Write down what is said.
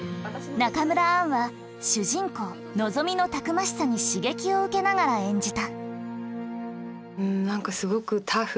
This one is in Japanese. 中村アンは主人公のぞみのたくましさに刺激を受けながら演じた。